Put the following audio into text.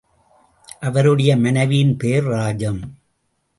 அவருடைய மனைவியின் பெயர் ராஜம்.